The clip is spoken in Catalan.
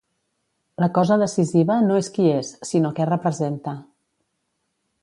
La cosa decisiva no és qui és, sinó què representa.